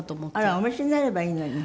あらお召しになればいいのに。